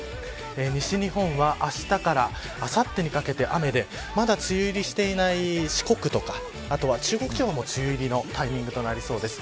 西日本は、あしたからあさってにかけて雨でまだ梅雨入りしていない四国とかあとは中国地方の梅雨入りのタイミングになりそうです。